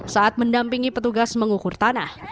saat mendampingi petugas mengukur tanah